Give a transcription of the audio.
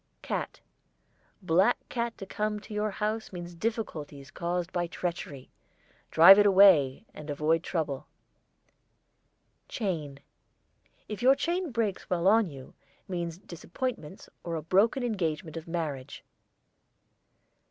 CAT. Black cat to come to your house means difficulties caused by treachery. Drive it away and avoid trouble. CHAIN. If your chain breaks while on you means disappointments or a broken engagement of marriage.